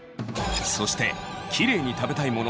そしてキレイに食べたいもの